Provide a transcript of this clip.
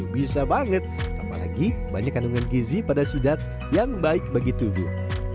bisa banget apalagi banyak kandungan gizi pada sidap yang baik bagi tubuh